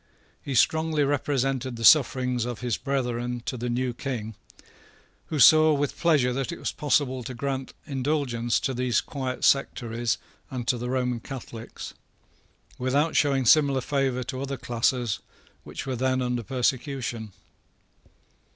He strongly represented the sufferings of his brethren to the new King, who saw with pleasure that it was possible to grant indulgence to these quiet sectaries and to the Roman Catholics, without showing similar favour to other classes which were then under persecution.